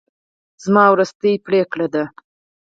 زما وروستۍ پرېکړه ده.